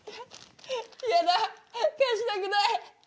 嫌だ貸したくない。